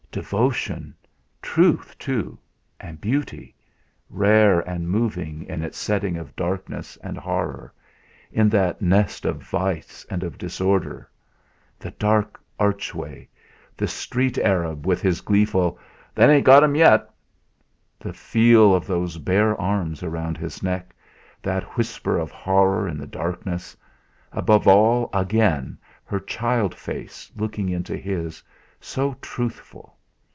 Devotion; truth, too, and beauty, rare and moving, in its setting of darkness and horror, in that nest of vice and of disorder!... The dark archway; the street arab, with his gleeful: "They 'ain't got 'im yet!"; the feel of those bare arms round his neck; that whisper of horror in the darkness; above all, again, her child face looking into his, so truthful!